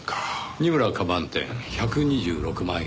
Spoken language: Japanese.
二村カバン店１２６万円。